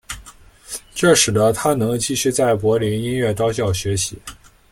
这使得他能继续在柏林音乐高校学习。